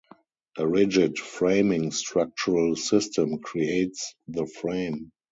A rigid framing structural system creates the frame.